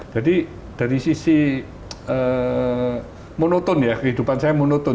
jadi dari sisi monoton ya kehidupan saya monoton